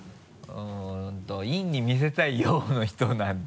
陰に見せたい陽の人なんて。